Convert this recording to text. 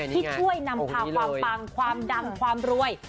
ที่ช่วยนำพาความปังความดังความรวย